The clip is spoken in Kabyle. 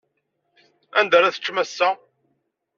Anda ara teččem ass-a?